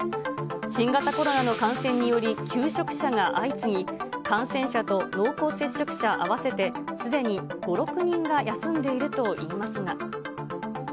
新型コロナの感染により、休職者が相次ぎ、感染者と濃厚接触者合わせてすでに５、６人が休んでいるといいますが。